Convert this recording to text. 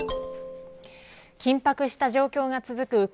緊迫した状況が続く